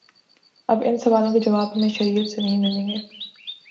اب ان سوالوں کے جواب ہمیں شریعت سے نہیں ملیں گے۔